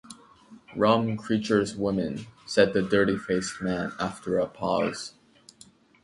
‘Rum creatures, women,’ said the dirty-faced man, after a pause.